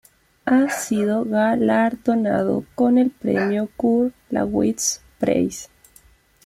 Ha sido galardonado con el premio Kurd-Laßwitz-Preis.